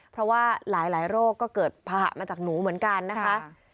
เพราะว่าหลายโรคก็เกิดภาหะมาจากหนูเหมือนกันนะคะ